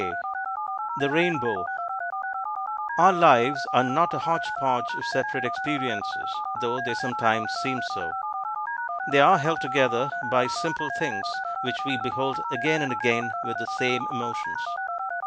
_ THE RAINBOW Our lives are not a hodge podge of separate experiences, though they sometimes seem so. They are held together by simple things which we behold again and again with the same emotions.